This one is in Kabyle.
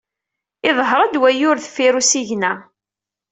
Iḍher-d wayyur deffir usigna.